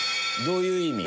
どういう意味！？